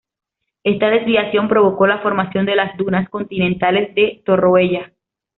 Esta desviación provocó la formación de las dunas continentales de Torroella.